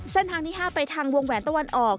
เส้นทางที่๕ไปทางวงแหวนตะวันออก